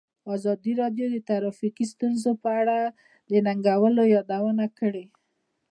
ازادي راډیو د ټرافیکي ستونزې په اړه د ننګونو یادونه کړې.